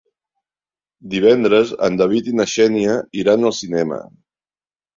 Divendres en David i na Xènia iran al cinema.